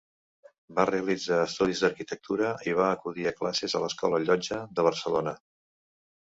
Va realitzar estudis d'arquitectura i va acudir a classes a l'escola Llotja de Barcelona.